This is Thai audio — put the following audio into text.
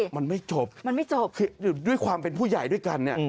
มันไม่จบด้วยความเป็นผู้ใหญ่ด้วยกันเนี่ย